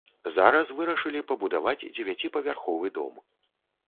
Зараз вырашылі пабудаваць дзевяціпавярховы дом.